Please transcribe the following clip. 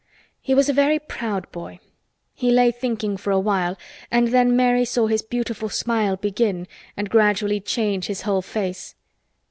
He was a very proud boy. He lay thinking for a while and then Mary saw his beautiful smile begin and gradually change his whole face.